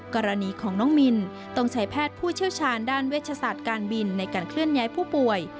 กรณีของน้องมินต้องใช้แพทย์ผู้เชี่ยวชาญด้านเวชศาสตร์การบินในการเคลื่อนย้ายผู้ป่วย